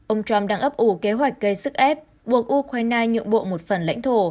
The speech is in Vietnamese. ông trump đang ấp ủ kế hoạch gây sức ép buộc ukraine nhượng bộ một phần lãnh thổ